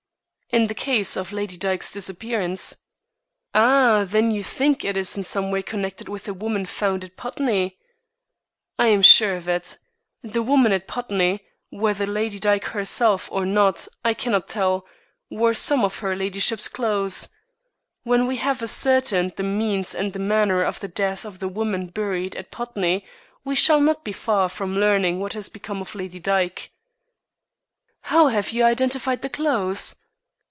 "In the case of Lady Dyke's disappearance." "Ah! Then you think it is in some way connected with the woman found at Putney?" "I am sure of it. The woman at Putney, whether Lady Dyke herself or not I cannot tell, wore some of her ladyship's clothes. When we have ascertained the means and the manner of the death of the woman buried at Putney we shall not be far from learning what has become of Lady Dyke." "How have you identified the clothes?"